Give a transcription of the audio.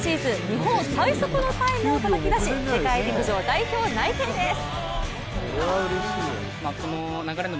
日本最速のタイムをたたき出し世界陸上代表内定です。